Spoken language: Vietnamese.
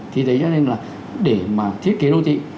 thì đấy cho nên là để mà thiết kế đô thị